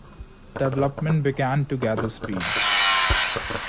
Development began to gather speed.